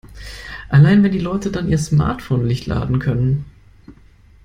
Allein, wenn die Leute dann ihr Smartphone nicht laden können.